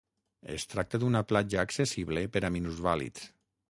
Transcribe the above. Es tracta d'una platja accessible per a minusvàlids.